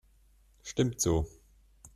Stimmt so.